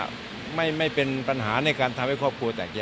คือในหลักในมุมการงงของตำรวจเนี่ยการออกมาแบบนี้ก็คือจะเห็นได้ว่า